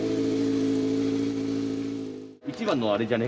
一番のあれじゃね？